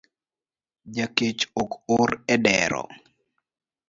Jakech ok or edero